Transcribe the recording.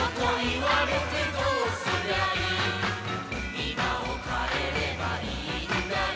「今を変えればいいんだよ」